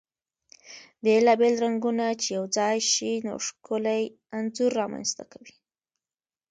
بيلا بيل رنګونه چی يو ځاي شي ، نو ښکلی انځور رامنځته کوي .